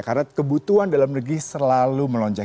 karena kebutuhan dalam negeri selalu melonjak